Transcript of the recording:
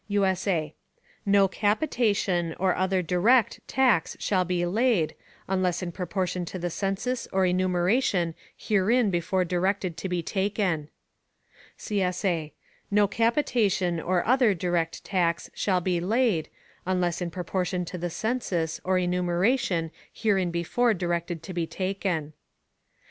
[USA] No Capitation, or other direct, Tax shall be laid, unless in Proportion to the Census or Enumeration herein before directed to be taken. [CSA] No capitation or other direct tax shall be laid, unless in proportion to the census or enumeration herein before directed to be taken.